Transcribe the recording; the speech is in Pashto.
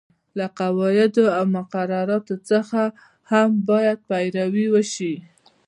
له قواعدو او مقرراتو څخه هم باید پیروي وشي.